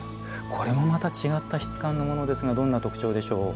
これもまた違った質感のものですがどんな特徴でしょうか。